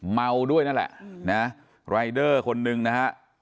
เมาด้วยนั่นแหละรายเดอร์คนหนึ่งนะครับ